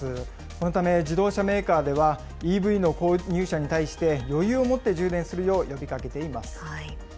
このため自動車メーカーではＥＶの購入者に対して、余裕を持って充電するよう呼びかけています。